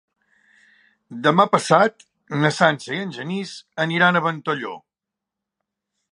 Demà passat na Sança i en Genís aniran a Ventalló.